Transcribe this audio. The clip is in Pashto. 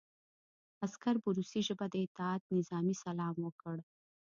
عسکر په روسي ژبه د اطاعت نظامي سلام وکړ